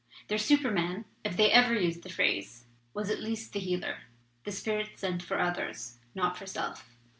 Their Superman, if they ever used the phrase, was at least the Healer, the spirit spent for others, not for self.